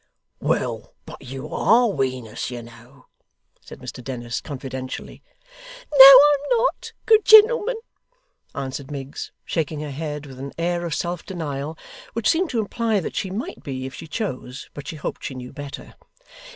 'Well, but you ARE Wenus, you know,' said Mr Dennis, confidentially. 'No, I am not, good gentleman,' answered Miggs, shaking her head with an air of self denial which seemed to imply that she might be if she chose, but she hoped she knew better.